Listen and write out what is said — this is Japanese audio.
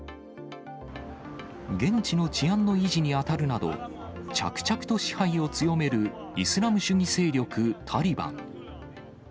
現地の治安の維持に当たるなど、着々と支配を強めるイスラム主義勢力タリバン。